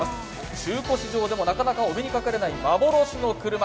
中古市場でもなかなかお目にかかれない幻の車。